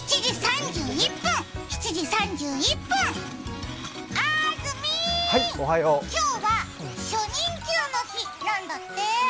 ７時３１分、あーずみー、今日は初任給の日なんだって。